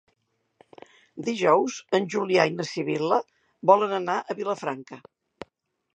Dijous en Julià i na Sibil·la volen anar a Vilafranca.